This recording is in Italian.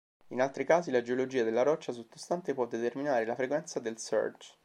In altri casi, la geologia della roccia sottostante può determinare la frequenza del surge.